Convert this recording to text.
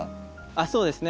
あっそうですね。